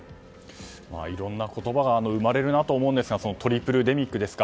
いろんな言葉が生まれるなと思うんですがトリプルデミックですか。